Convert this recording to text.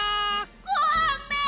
ごめん！